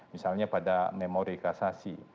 misalnya pada memori kasasi